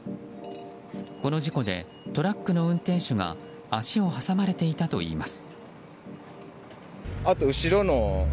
この事故で、トラックの運転手が足を挟まれていたといいます。